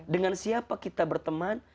dengan siapa kita berteman